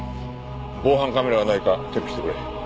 防犯カメラがないかチェックしてくれ。